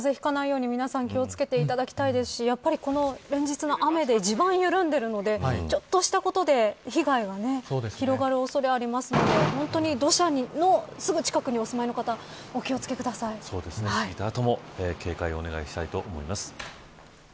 風邪ひかないように、皆さん気を付けていただきたいですし連日の雨で地盤が緩んでいるのでちょっとしたことで被害が広がる恐れがあるので本当に土砂のすぐ近くにお住まいの方是非とも警戒をお願いしたいと思います。